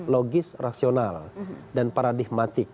logis rasional dan paradigmatik